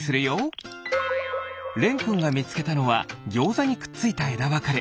れんくんがみつけたのはぎょうざにくっついたえだわかれ。